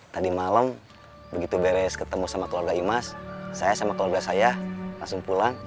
tadi malam begitu beres ketemu sama keluarga imas saya sama keluarga saya langsung pulang